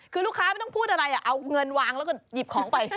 คือลูกค้าไม่ต้องพูดอะไรเอาเงินวางแล้วก็หยิบของไป